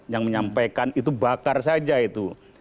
yang menyampaikan itu bakar saja itu